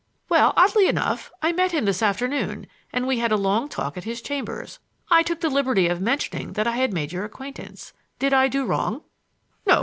"Well, oddly enough, I met him this afternoon and we had a long talk at his chambers. I took the liberty of mentioning that I had made your acquaintance. Did I do wrong?" "No.